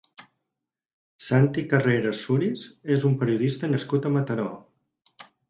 Santi Carreras Suris és un periodista nascut a Mataró.